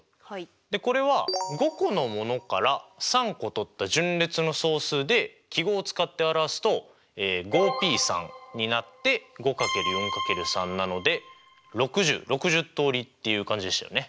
でこれは５個のものから３個とった順列の総数で記号を使って表すとＰになって６０通りっていう感じでしたよね。